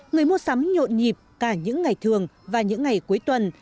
người mua sắm nhộn nhịp cả những ngày thường và những ngày cuối tuần